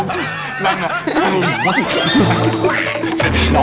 นั่นน่ะ